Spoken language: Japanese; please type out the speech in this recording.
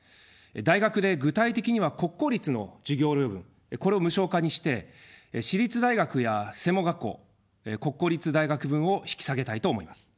大学で具体的には国公立の授業料分、これを無償化にして、私立大学や専門学校、国公立大学分を引き下げたいと思います。